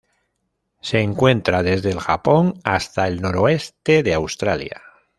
Se encuentra desde el Japón hasta el noroeste de Australia.